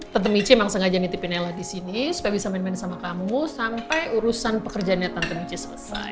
tante mici memang sengaja ngitipin nailah disini supaya bisa main main sama kamu sampai urusan pekerjaannya tante mici selesai